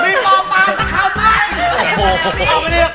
พี่ป๋อป๋าตัดเข้าไป